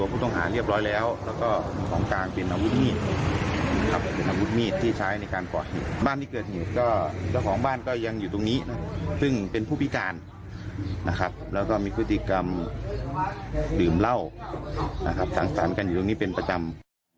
เจ้าของบ้านก็ยังอยู่ตรงนี้ซึ่งเป็นผู้พิการนะครับแล้วก็มีพฤติกรรมดื่มเหล้านะครับสั่งสรรค์กันอยู่ตรงนี้เป็นประจำ